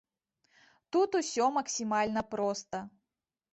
Тут усё максімальна проста.